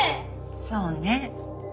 そうね。